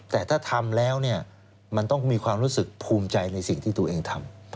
แต่ถ้าทำแล้วเนี่ยมันต้องมีความรู้สึกภูมิใจในสิ่งที่ตัวเองทำ